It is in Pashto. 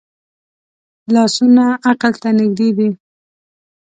لاسونه عقل ته نږدې دي